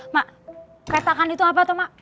mak keretakan itu apa tuh mak